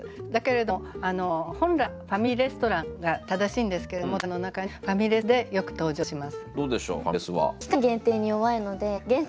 だけれども本来は「ファミリーレストラン」が正しいんですけれども短歌の中に「ファミレス」でよく登場します。